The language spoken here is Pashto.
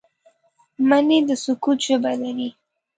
مني د سکوت ژبه لري